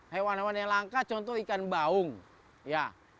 hewan hewan yang langka contoh ikan baung ya